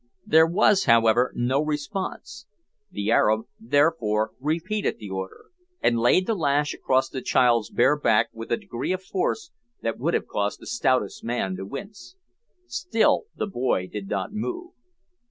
There was, however, no response; the Arab therefore repeated the order, and laid the lash across the child's bare back with a degree of force that would have caused the stoutest man to wince; still the boy did not move.